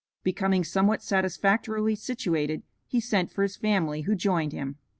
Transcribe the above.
Becoming somewhat satisfactorily situated he sent for his family, who joined him.